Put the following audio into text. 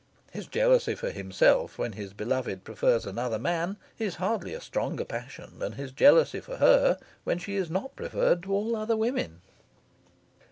His jealousy for himself when his beloved prefers another man is hardly a stronger passion than his jealousy for her when she is not preferred to all other women.